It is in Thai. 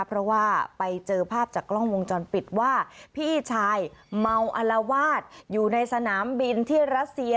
เพราะว่าไปเจอภาพจากกล้องวงจรปิดว่าพี่ชายเมาอลวาดอยู่ในสนามบินที่รัสเซีย